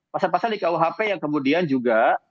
pasal pasal di kuhp yang kemudian juga